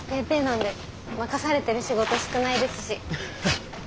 なんで任されてる仕事少ないですし。